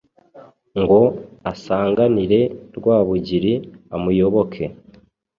ngo asanganire Rwabugiri amuyoboke